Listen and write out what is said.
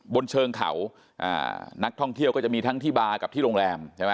บนเชิงเขานักท่องเที่ยวก็จะมีทั้งที่บาร์กับที่โรงแรมใช่ไหม